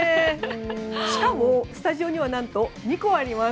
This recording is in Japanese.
しかも、スタジオには何と２個あります。